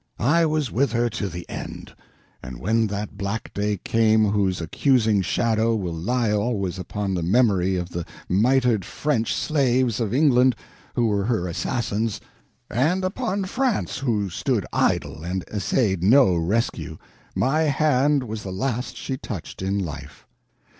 I was with her to the end; and when that black day came whose accusing shadow will lie always upon the memory of the mitered French slaves of England who were her assassins, and upon France who stood idle and essayed no rescue, my hand was the last she touched in life.